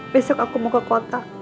besok aku mau ke kota